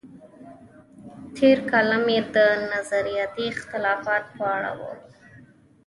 تېر کالم یې د نظریاتي اختلافاتو په اړه و.